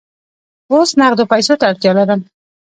اوس نغدو پیسو ته اړتیا لرم.